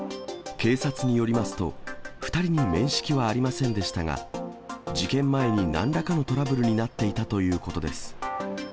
警察によりますと、２人に面識はありませんでしたが、事件前になんらかのトラブルになっていたということです。